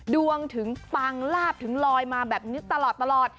ดวงถึงปังลาบถึงลอยมาแบบนี้ตลอด